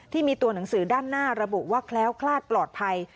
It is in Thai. ที่มีตัวหนังสือด้านหน้าระบุว่าแคล้วคลาดปลอดภัย